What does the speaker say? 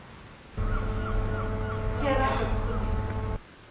Цқьа ираҳәа ԥхыӡ иббаз.